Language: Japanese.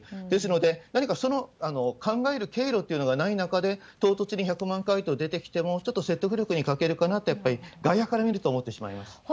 ですので、何かその考える経路というのがない中で、唐突に１００万回と出てきても、ちょっと説得力に欠けるかなと、やっぱり外野から見ると思ってしまいます。